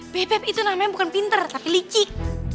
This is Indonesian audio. bebek itu namanya bukan pinter tapi licik